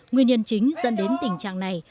nguyên nhân chính dẫn đến tình trạng này